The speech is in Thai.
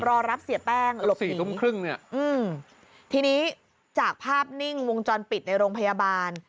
รอรับเสียแป้งเกือบสี่ทุ่มครึ่งเนี่ยอืมทีนี้จากภาพนิ่งวงจรปิดในโรงพยาบาล